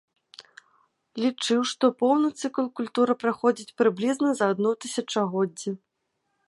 Лічыў, што поўны цыкл культура праходзіць прыблізна за адно тысячагоддзе.